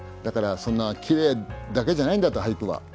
だからそんなきれいだけじゃないんだと俳句は。